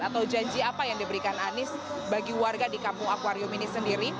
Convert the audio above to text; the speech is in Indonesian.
atau janji apa yang diberikan anies bagi warga di kampung akwarium ini sendiri